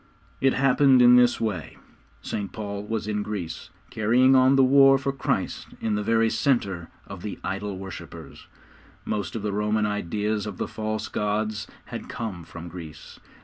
It happened in this way: St. Paul was in Greece, carrying on the war for Christ in the very centre of the idol worshippers. Most of the Roman ideas of the false gods had come from Greece.